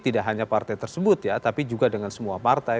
tidak hanya partai tersebut ya tapi juga dengan semua partai